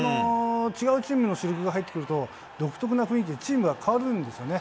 違うチームの主力が入ってくると、独特な雰囲気で、チームが変わるんですよね。